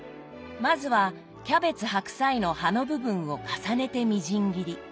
まずはキャベツ白菜の葉の部分を重ねてみじん切り。